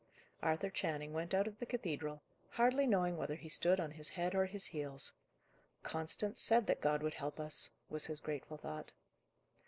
Arthur Channing went out of the cathedral, hardly knowing whether he stood on his head or his heels. "Constance said that God would help us!" was his grateful thought.